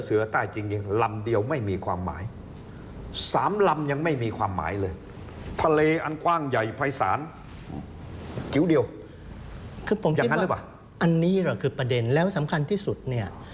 คือผมคิดว่าอันนี้ล่ะนี่คือประเด็นแล้วสำคัญที่สุดเนี่ย